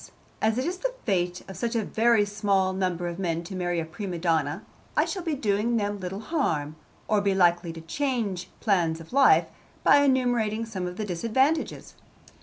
'As it is the fate of such a very small number of men to marry a prima donna, I shall be doing little harm, or be likely to change plans of life, by enumerating some of the disadvantages.'